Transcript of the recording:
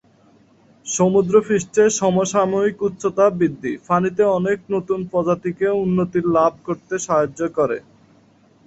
সমুদ্রপৃষ্ঠের সমসাময়িক উচ্চতা বৃদ্ধি পানিতে অনেক নতুন প্রজাতিকে উন্নতি লাভ করতে সাহায্য করে।